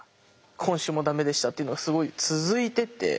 今週も駄目でしたっていうのをすごい続いてて。